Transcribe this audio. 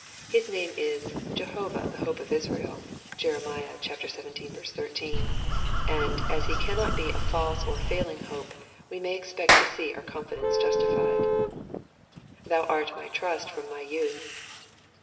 His name is '' Jehovah, the hope of Israel ^' (Jer. zvii. 13) ; and, as he cannot be a false or failing hope, we may expect to see our confidence justified. ''^Thou art my trust from my youth.''